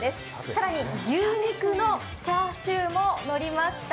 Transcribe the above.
更に牛肉のチャーシューものりました。